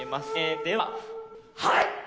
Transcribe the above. でははい！